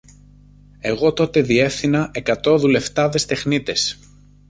Εγώ τότε διεύθυνα εκατό δουλευτάδες τεχνίτες